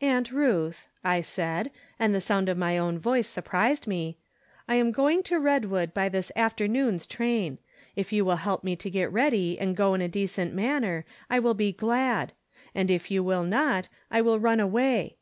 "Aunt Ruth," I said, and the sound of my own voice surprised me, "I am going to Red wood by this afternoon's train. If you will help me to get ready and go in a decent manner, I wUl be glad ; and if you will not, I will run away.